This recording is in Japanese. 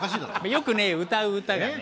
よくね歌う歌がね